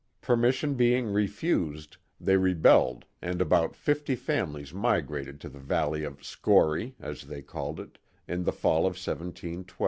Permission being refused, they rebelled and about fifty families migrated to the valley of Schorie," as they called it, in the fall of 171 2.